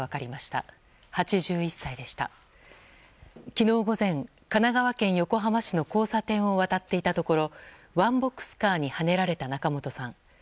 昨日午前、神奈川県横浜市の交差点を渡っていたところワンボックスカーにはねられた仲本さん。